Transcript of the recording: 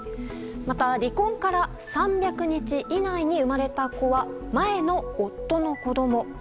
また、離婚から３００日以内に生まれた子は前の夫の子ども。